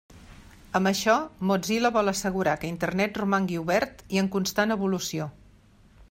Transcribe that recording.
Amb això, Mozilla vol assegurar que Internet romangui obert i en constant evolució.